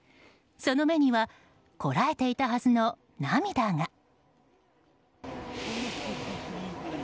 その目にはこらえていたはずの涙が。